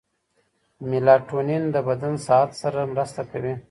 میلاټونین د بدن ساعت سره مرسته کوي.